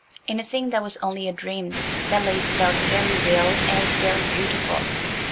In a thing that was only a dream that lace felt very real, and was very beautiful.